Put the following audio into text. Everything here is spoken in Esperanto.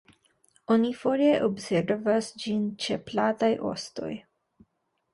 Oni foje observas ĝin ĉe plataj ostoj.